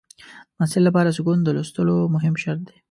د محصل لپاره سکون د لوستلو مهم شرط دی.